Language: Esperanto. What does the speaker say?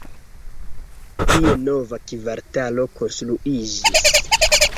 Tie nova kvartalo konstruiĝis.